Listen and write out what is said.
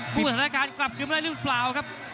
ภูทัศนาการกลับคือไม่มีเรื่องเปล่าครับ